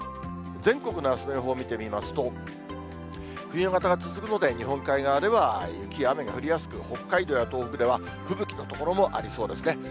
全国のあすの予報を見てみますと、冬型が続くので、日本海側では、雪や雨が降りやすく、北海道や東北では、吹雪の所もありそうですね。